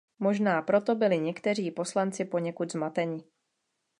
Možná proto byli někteří poslanci poněkud zmateni.